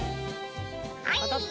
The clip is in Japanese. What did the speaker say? はい。